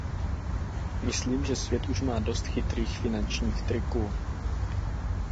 Myslím, že svět už má dost chytrých finančních triků.